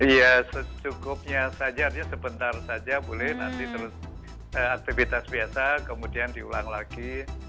ya secukupnya saja artinya sebentar saja boleh nanti terus aktivitas biasa kemudian diulang lagi